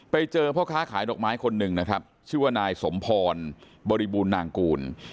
ไปเจอพ่อค้าขายดอกไม้คนหนึ่งนะครับชื่อว่านายสมพรบริบูรณางกูล